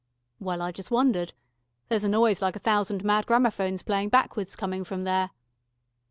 "Well, I just wondered. There's a noise like a thousand mad gramophones playing backwards, coming from there."